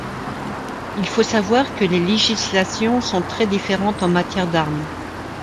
Il faut savoir que les législations sont très différentes en matière d’armes.